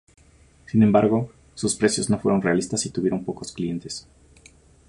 Sin embargo, sus precios no fueron realistas y tuvieron pocos clientes.